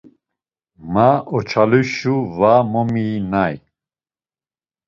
Ma oçaluşi va momiynay.